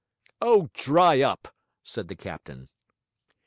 'Oh, dry up!' said the captain.